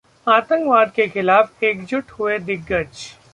आतंकवाद के खिलाफ एकजुट हुए दिग्गज